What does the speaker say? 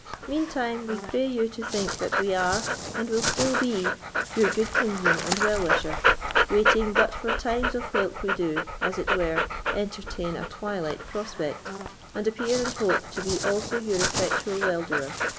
Meantime, we pray you to think that we are, and will still be, your good kinsman and well wisher, waiting but for times of whilk we do, as it were, entertain a twilight prospect, and appear and hope to be also your effectual well doer.